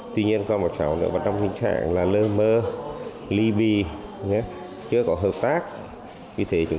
tuy nhiên còn một cháu nữa vẫn trong hình trạng là lơ mơ ly bì chưa có hợp tác vì thế chúng